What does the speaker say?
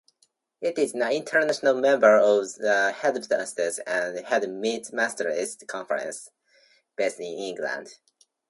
It is an international member of the Headmasters' and Headmistresses' Conference, based in England.